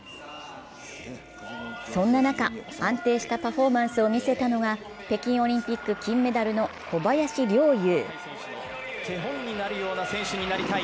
そんな中、安定したパフォーマンスを見せたのが北京オリンピック金メダルの小林陵侑。